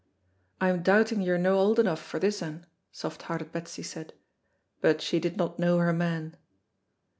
"I'm doubting you're no auld enough for this ane," soft hearted Betsy said, but she did not know her man.